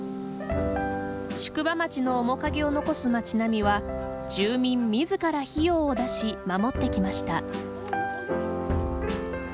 宿場町の面影を残す町並みは住民自ら費用を出し守ってきました。